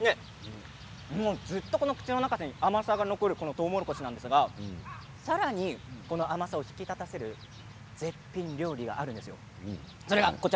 口の中でずっと甘さが残るとうもろこしなんですがさらに甘さを引き立てる絶品の料理があります。